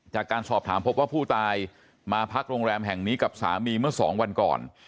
จากการสอบถามพบว่าผู้ตายมาพักโรงแรมแห่งนี้กับสามีเมื่อสองวันก่อน